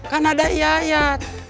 kan ada iayat